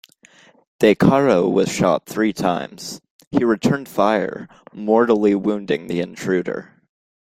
De Caro was shot three times; he returned fire, mortally wounding the intruder.